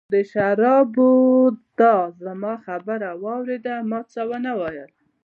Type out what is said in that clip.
د شرابو، تا زما خبره واورېده، ما څه ونه ویل.